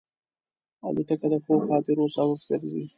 الوتکه د ښو خاطرو سبب ګرځي.